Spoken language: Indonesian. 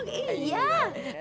gak ya lupa